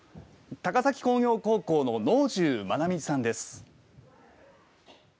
高崎工業高校の能重真奈美さんです。